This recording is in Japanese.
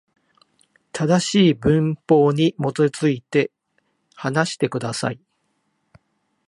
正しい文法に基づいて、話してください。